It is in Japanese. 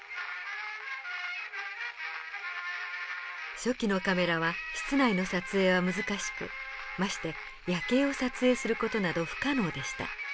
初期のカメラは室内の撮影は難しくまして夜景を撮影する事など不可能でした。